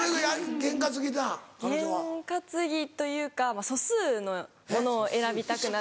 験担ぎというか素数のものを選びたくなる。